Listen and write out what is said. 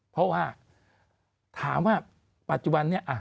เพราะว่าถามว่าปัจจุบันนี้